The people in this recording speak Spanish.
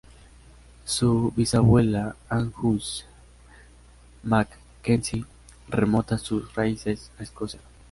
Su bisabuela, Ann Hughes Mc Kenzie, remonta sus raíces a Escocia.